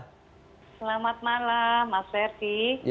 selamat malam mas ferdi